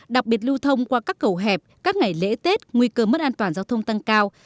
đặc biệt lưu thông qua các cầu hẹp các ngày lễ tết nguy cơ mất an toàn giao thông tăng cao